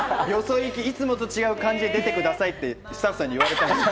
よそ行き、いつもと違う感じで出てくださいってスタッフさんに言われたの。